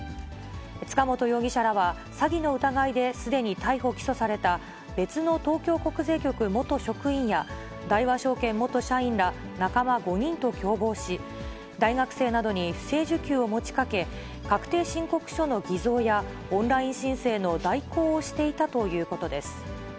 塚本容疑者らは詐欺の疑いですでに逮捕・起訴された別の東京国税局元職員や、大和証券元社員ら仲間５人と共謀し、大学生などに不正受給を持ちかけ、確定申告書の偽造やオンライン申請の代行をしていたということです。